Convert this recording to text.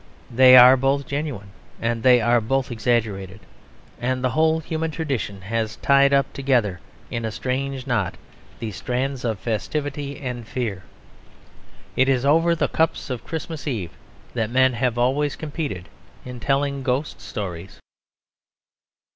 They are both genuine and they are both exaggerated. And the whole human tradition has tied up together in a strange knot these strands of festivity and fear. It is over the cups of Christmas Eve that men have always competed in telling ghost stories.